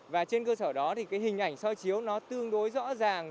và trên cơ sở đó thì cái hình ảnh soi chiếu nó tương đối rõ ràng